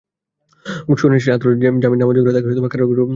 শুনানি শেষে আদালত জামিন নামঞ্জুর করে তাঁকে কারাগারে পাঠানোর নির্দেশ দেন।